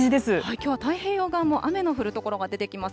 きょうは太平洋側も雨の降る所が出てきます。